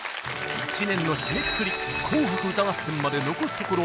一年の締めくくり「紅白歌合戦」まで残すところ